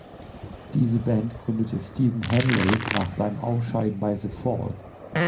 Diese Band gründete Steve Hanley nach seinem Ausscheiden bei The Fall.